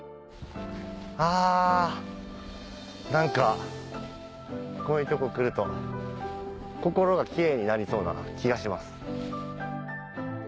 あ何かこういうとこ来ると心がキレイになりそうな気がします。